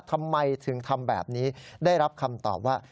ทำไมถึงทำแบบนี้ได้รับคำตอบว่า